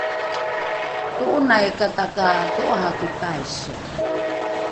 to’onaikata ka to’araki paiso